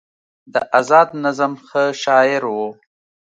د ازاد نظم ښه شاعر و